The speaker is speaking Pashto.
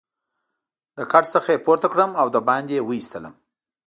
له کټ څخه يې پورته کړم او دباندې يې وایستلم.